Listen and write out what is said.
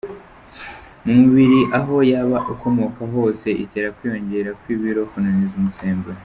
mu mubiri aho yaba ukomoka hose, itera kwiyongera kw’ibiro, kunaniza umusemburo